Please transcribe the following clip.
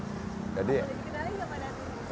boleh dikenali enggak pak datu